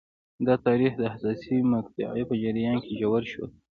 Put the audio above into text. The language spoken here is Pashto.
دا د تاریخ د حساسې مقطعې په جریان کې ژور شول.